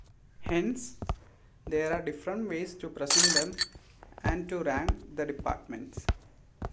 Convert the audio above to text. Hence, there are different ways to present them and to rank the departments.